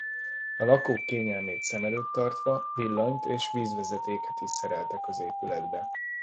A lakók kényelmét szem előtt tartva villanyt és vízvezetéket is szereltek az épületbe.